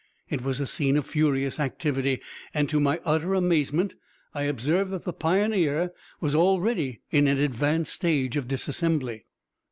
It was a scene of furious activity, and, to my utter amazement, I observed that the Pioneer was already in an advanced stage of disassembly.